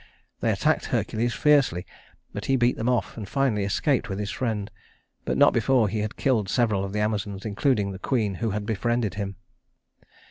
They attacked Hercules fiercely, but he beat them off and finally escaped with his friend, but not before he had killed several of the Amazons, including the queen who had befriended him.